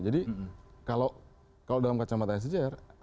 jadi kalau dalam kacamata yang sejarah